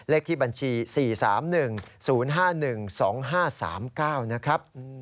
เลขที่บัญชี๔๓๑๐๕๑๒๕๓๙นะครับ